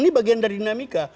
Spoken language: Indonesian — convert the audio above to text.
ini bagian dari dinamika